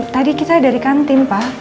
tadi kita dari kantin pak